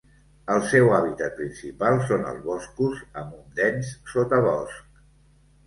El seu hàbitat principal són els boscos amb un dens sotabosc.